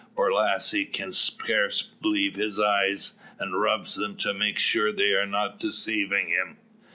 Borlasse can scarce believe his eyes; and rubs them to make sure they are not deceiving him.